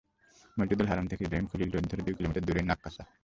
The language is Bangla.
মসজিদুল হারাম থেকে ইব্রাহিম খলিল রোড ধরে দুই কিলোমিটার দূরেই নাক্কাসা।